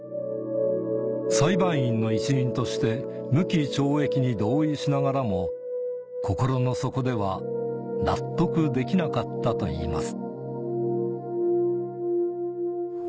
裁判員の一員として無期懲役に同意しながらも心の底では納得できなかったと言います